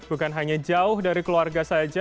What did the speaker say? bukan hanya jauh dari keluarga saja